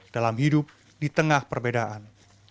dalam hidup di tengah perbedaan